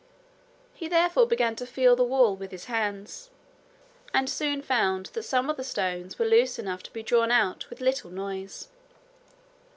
He therefore began to feel the wall With his hands, and soon found that some of the stones were loose enough to be drawn out with little noise.